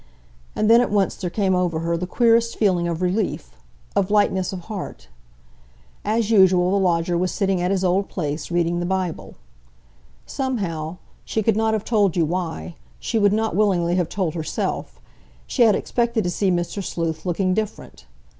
And then at once there came over her the queerest feeling of relief, of lightness of heart. As usual, the lodger was sitting at his old place, reading the Bible. Somehow—she could not have told you why, she would not willingly have told herself—she had expected to see Mr. Sleuth looking different.